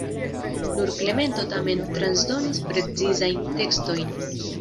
Nur Klemento tamen transdonis precizajn tekstojn.